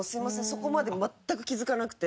そこまで全く気付かなくて。